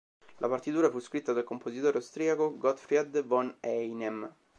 La partitura fu scritta dal compositore austriaco Gottfried von Einem.